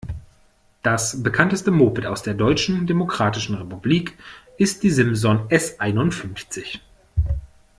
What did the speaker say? Das bekannteste Moped aus der Deutschen Demokratischen Republik ist die Simson S einundfünfzig.